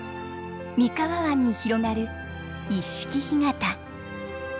三河湾に広がる一色干潟。